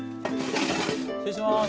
失礼します。